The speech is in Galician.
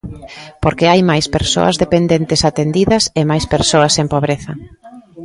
Porque hai máis persoas dependentes atendidas e máis persoas en pobreza.